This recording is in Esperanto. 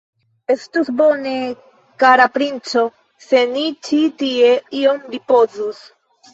Estus bone, kara princo, se ni ĉi tie iom ripozus.